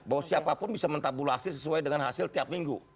bahwa siapapun bisa mentabulasi sesuai dengan hasil tiap minggu